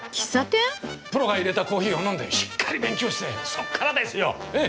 プロがいれたコーヒーを飲んでしっかり勉強してそこからですよ！